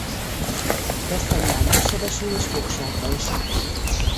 Dessaunál megsebesül és fogságba esik.